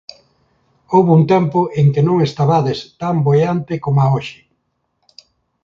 Houbo un tempo en que non estabades tan boiante coma hoxe.